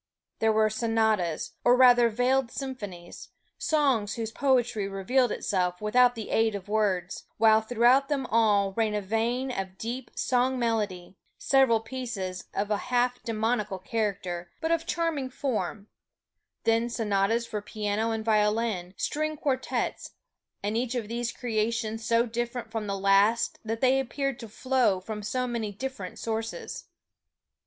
There were sonatas, or rather veiled symphonies, songs whose poetry revealed itself without the aid of words, while throughout them all ran a vein of deep song melody, several pieces of a half demoniacal character, but of charming form; then sonatas for piano and violin, string quartets, and each of these creations so different from the last that they appeared to flow from so many different sources.